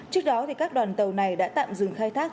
trước đó các đoàn tàu này đã tạm dừng khai thác